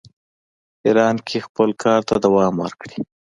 ایران کې خپل کار ته دوام ورکړي.